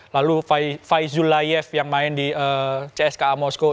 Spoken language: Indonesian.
lalu faizulayef yang main di cska moskow